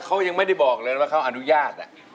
เขายังไม่ได้บอกเลยว่าเขาอนุญาต